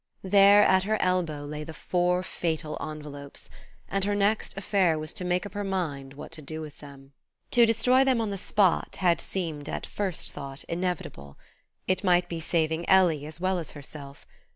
There, at her elbow, lay the four fatal envelopes; and her next affair was to make up her mind what to do with them. To destroy them on the spot had seemed, at first thought, inevitable: it might be saving Ellie as well as herself.